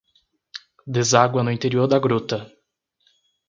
Deságua no interior da gruta